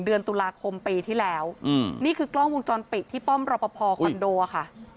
เดือนตุลาคมปีที่แล้วนี่คือกล้องวงจรปิดที่ป้อมรอปภคอนโดค่ะ